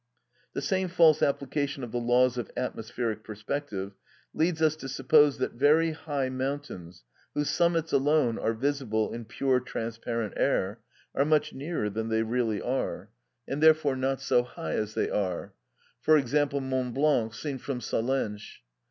The same false application of the laws of atmospheric perspective leads us to suppose that very high mountains, whose summits alone are visible in pure transparent air, are much nearer than they really are, and therefore not so high as they are; for example, Mont Blanc seen from Salenche.